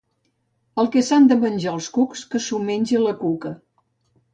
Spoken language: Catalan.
El que s'han de menjar els cucs, que s'ho mengi la cuca.